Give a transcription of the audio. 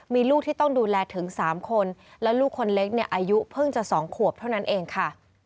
มีลูกที่ต้องดูแลถึง๓คนและลูกคนเล็กเนี่ยอายุเพิ่งจะ๒ขวบเท่านั้นเองค่ะ